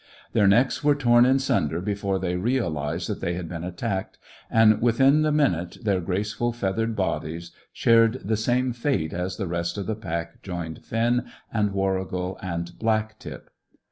Their necks were torn in sunder before they realized that they had been attacked, and within the minute their graceful feathered bodies shared the same fate, as the rest of the pack joined Finn and Warrigal and Black tip.